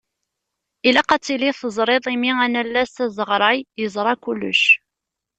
Ilaq ad tiliḍ teẓriḍ imi anallas azeɣray yeẓra kullec.